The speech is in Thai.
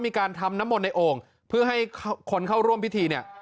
มีการทำน้ำมนต์ในโอ่งเพื่อให้คนเข้าร่วมพิธีเนี่ย